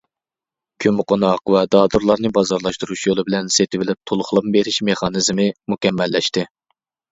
كۆممىقوناق ۋە دادۇرنى بازارلاشتۇرۇش يولى بىلەن سېتىۋېلىپ تولۇقلىما بېرىش مېخانىزمى مۇكەممەللەشتى.